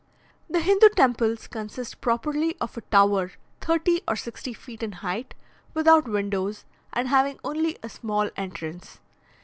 The Hindoo temples consist properly of a tower thirty or sixty feet in height, without windows, and having only a small entrance.